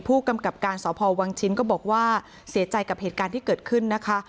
ผู้กำกับการสพวังชิ้นก็บอกว่าเสียใจกับเหตุการณ์ที่เกิดขึ้นนะคะ